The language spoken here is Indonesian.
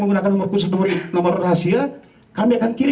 tinggal kami menyurut mengirim surat cintanya pada polisi